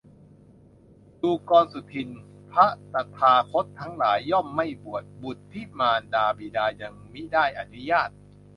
ดูกรสุทินน์ พระตถาคตทั้งหลาย ย่อมไม่บวชบุตรที่มารดาบิดายังมิได้อนุญาต